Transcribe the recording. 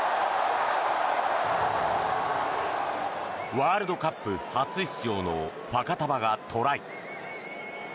ワールドカップ初出場のファカタヴァがトライ。